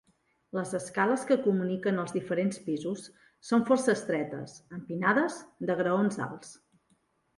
Les escales que comuniquen els diferents pisos són força estretes, empinades, de graons alts.